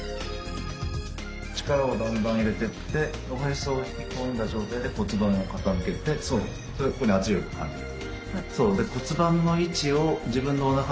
力をだんだん入れてっておへそを引き込んだ状態で骨盤を傾けてそうそれでここに圧力を感じる。